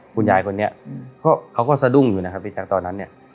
คุณยายคนนี้เขาก็สะดุ้งอยู่นะครับพี่แจ๊คตอนนั้นเนี่ย